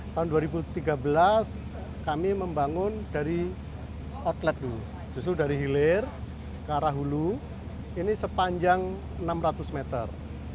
tahun dua ribu tiga belas kami membangun dari outlet dulu justru dari hilir ke arah hulu ini sepanjang enam ratus meter